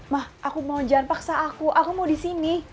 mah aku mau jangan paksa aku aku mau di sini